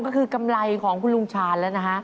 ก็คือกำไรของคุณลุงชาญแล้วนะฮะ